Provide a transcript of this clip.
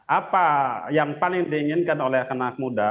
apa yang paling diinginkan oleh anak muda